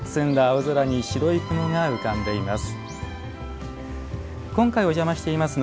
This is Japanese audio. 青空に白い雲が浮かんでいます。